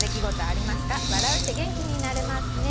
「笑うって元気になれますね」